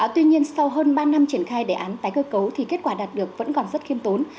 tuy nhiên sau hơn ba năm triển khai đề án tái cơ cấu thì kết quả đạt được vẫn còn rất khiêm tốn